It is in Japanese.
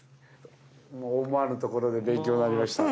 もう思わぬところで勉強になりました。